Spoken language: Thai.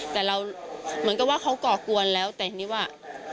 แต่เราเหมือนกับว่าเขาก่อกวนแล้วแต่ทีนี้ว่า